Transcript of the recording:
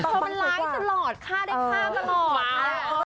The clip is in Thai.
เธอมันร้ายตลอดฆ่าได้ฆ่าตลอด